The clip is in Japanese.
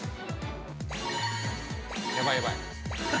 やばいやばい。